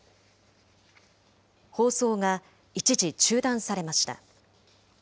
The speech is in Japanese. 放送が一時中断されました。